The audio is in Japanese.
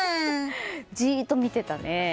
じーっと見てたね。